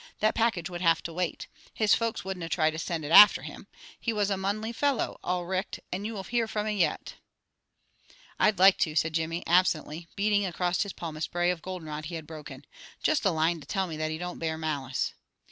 The package would have to wait. His folks wouldna try to send it after him. He was a monly fellow, all richt, and ye will hear fra him yet." "I'd like to," said Jimmy, absently, beating across his palm a spray of goldenrod he had broken. "Just a line to tell me that he don't bear malice."